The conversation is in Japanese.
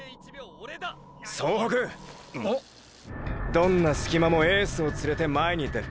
どんなスキマもエースを連れて前に出る。